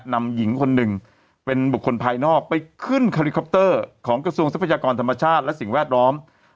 นำหญิงคนหนึ่งเป็นบุคคลภายนอกไปขึ้นคาลิคอปเตอร์ของกระทรวงทรัพยากรธรรมชาติและสิ่งแวดล้อม